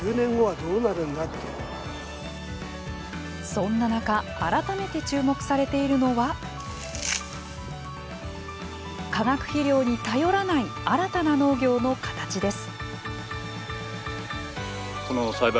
そんな中改めて注目されているのは化学肥料に頼らない新たな農業の形です。